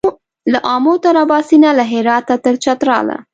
له آمو تر اباسینه له هراته تر چتراله